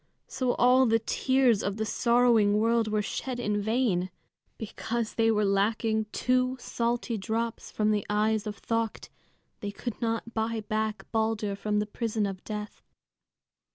So all the tears of the sorrowing world were shed in vain. Because there were lacking two salty drops from the eyes of Thökt, they could not buy back Balder from the prison of death.